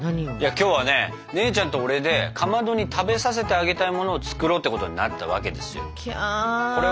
今日はね姉ちゃんと俺でかまどに食べさせてあげたいものを作ろうってことになったわけですよ。きゃうれしい。